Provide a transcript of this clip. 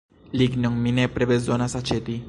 Lignon mi nepre bezonas aĉeti.